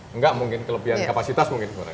enggak mungkin kelebihan kapasitas mungkin